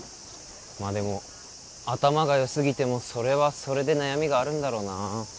まあでも頭が良すぎてもそれはそれで悩みがあるんだろうな